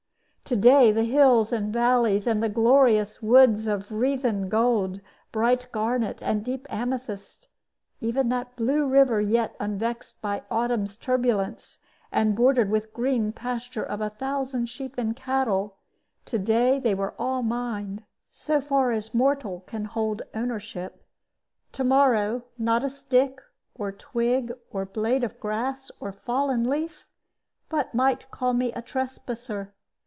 To day the hills and valleys, and the glorious woods of wreathen gold, bright garnet, and deep amethyst, even that blue river yet unvexed by autumn's turbulence, and bordered with green pasture of a thousand sheep and cattle to day they all were mine (so far as mortal can hold ownership) to morrow, not a stick, or twig, or blade of grass, or fallen leaf, but might call me a trespasser.